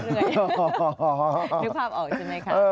นึกออกใช่ไหมคะ